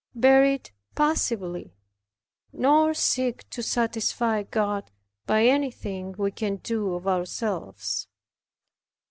Bear it passively, nor seek to satisfy God by anything we can do of ourselves.